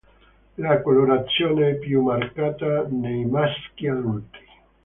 La colorazione è più marcata nei maschi adulti.